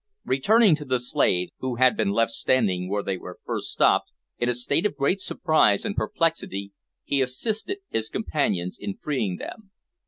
Returning to the slaves, who had been left standing where they were first stopped, in a state of great surprise and perplexity, he assisted his companions in freeing them.